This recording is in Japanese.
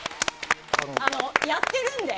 あの、やってるんで！